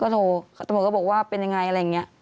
ตำรวจบอกว่าเป็นอย่างไร